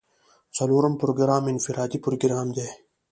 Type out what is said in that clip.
څلورم پروګرام انفرادي پروګرام دی.